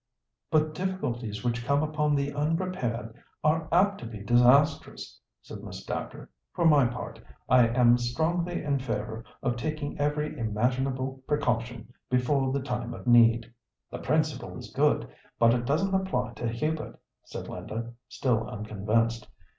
"But difficulties which come upon the unprepared are apt to be disastrous," said Miss Dacre; "for my part, I am strongly in favour of taking every imaginable precaution before the time of need." "The principle is good, but it doesn't apply to Hubert," said Linda, still unconvinced.